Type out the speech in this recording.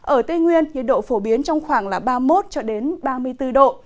ở tây nguyên nhiệt độ phổ biến trong khoảng ba mươi một cho đến ba mươi bốn độ